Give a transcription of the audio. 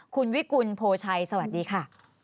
คุณวิกุลโพชัยสวัสดีค่ะ